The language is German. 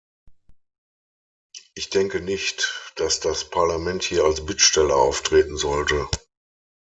Ich denke nicht, dass das Parlament hier als Bittsteller auftreten sollte.